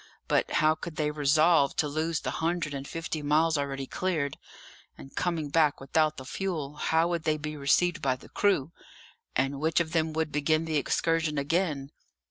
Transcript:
But how could they resolve to lose the hundred and fifty miles already cleared? and coming back without the fuel, how would they be received by the crew? and which of them would begin the excursion again?